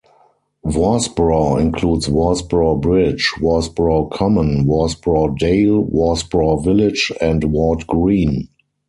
Worsbrough includes Worsbrough Bridge, Worsbrough Common, Worsbrough Dale, Worsbrough Village and Ward Green.